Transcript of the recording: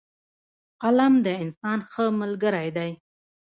قلم د انسان ښه ملګری دی